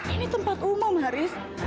ini tempat umum haris